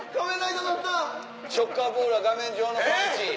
「ショッカーボールは画面上のパンチ」。